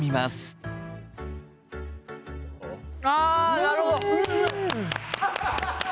なるほど。